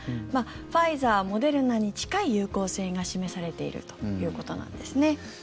ファイザー、モデルナに近い有効性が示されているということなんですね。